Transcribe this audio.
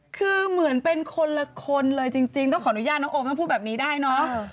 คือเหมือนเป็นคนละคนเลยจริงต้องขออนุญาตน้องโอมต้องพูดแบบนี้ได้เนอะ